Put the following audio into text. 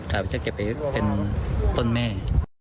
ถามว่าจะเก็บไปเป็นต้นแม่